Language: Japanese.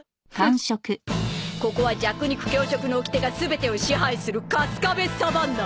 フッここは弱肉強食の掟がすべてを支配するカスカベ・サバンナ。